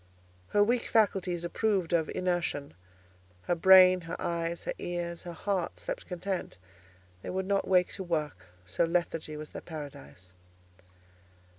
Her weak faculties approved of inertion: her brain, her eyes, her ears, her heart slept content; they could not wake to work, so lethargy was their Paradise.